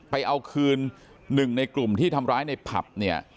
ไปเอาคืนหนึ่งในกลุ่มที่ทำร้ายในผับเนี่ย